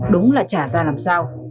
đúng là trả ra làm sao